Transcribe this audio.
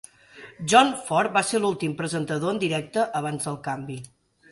John Ford va ser l'últim presentador en directe abans del canvi.